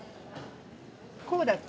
こうだっけ？